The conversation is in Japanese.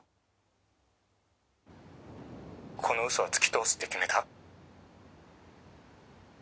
「この嘘はつき通すって決めた」